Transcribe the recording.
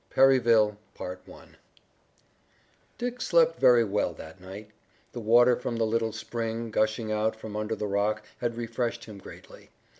PERRYVILLE Dick slept very well that night. The water from the little spring, gushing out from under the rock, had refreshed him greatly.